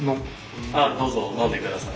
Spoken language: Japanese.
どうぞ飲んでください。